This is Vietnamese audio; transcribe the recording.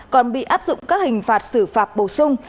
còn bị áp dụng các hình phạt xử phạt bổ sung